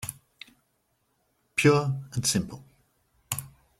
Pure and simple.